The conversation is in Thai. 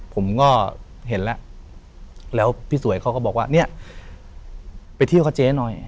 ผมก็เห็นแล้วแล้วพี่สวยเขาก็บอกว่าเนี่ยไปเที่ยวกับเจ๊หน่อย